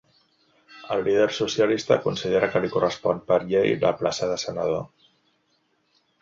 El líder socialista considera que li correspon ‘per llei’ la plaça de senador.